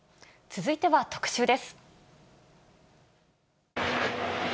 続いては特集です。